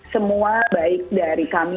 semua baik dari kami